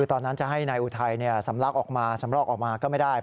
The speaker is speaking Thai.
ตอนนั้นจะให้นายอุทัยสำลักออกมาสำรอกออกมาก็ไม่ได้